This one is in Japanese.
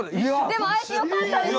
でも会えてよかったですね。